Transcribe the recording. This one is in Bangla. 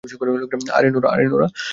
আরে, নোরাহ।